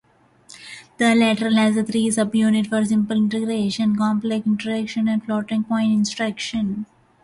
The latter has three subunits for simple integer, complex integer and floating-point instructions.